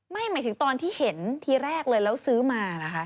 หมายถึงตอนที่เห็นทีแรกเลยแล้วซื้อมาเหรอคะ